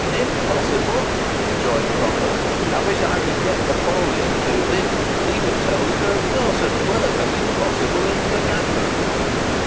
"Impossible!" rejoined Cropper; "I wish I could get Napoleon to thee—he would tell thee there is no such word as 'impossible' in the vocabulary."